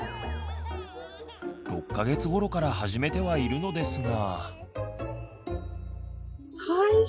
６か月ごろから始めてはいるのですが。